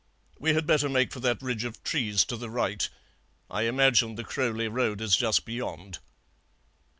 We had better make for that ridge of trees to the right; I imagine the Crowley road is just beyond.'